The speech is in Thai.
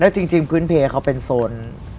จริงพื้นเพเขาเป็นโซน